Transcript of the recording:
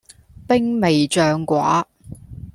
兵微將寡